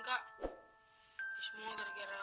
ku convention wanita kita misalkan orang satu malu